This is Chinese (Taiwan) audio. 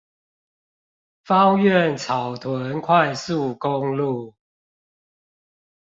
芳苑草屯快速公路